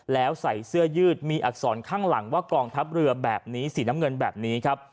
แล้วใส่เสื้อยืดมีอักษรข้างหลังว่ากองทัพเรือแบบนี้สีน้ำเงินแบบนี้ครับ